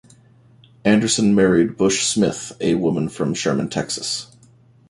Anderson married Bush Smith, a woman from Sherman, Texas.